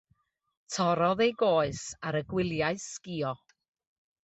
Torrodd ei goes ar y gwyliau sgïo.